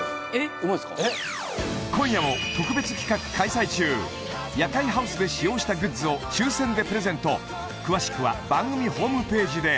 今夜も特別企画開催中夜会ハウスで使用したグッズを抽選でプレゼント詳しくは番組ホームページで